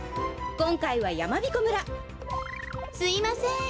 こんかいはやまびこ村すいません。